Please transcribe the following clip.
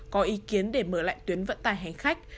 có ý kiến để mở lại tuyến vận tài hành khách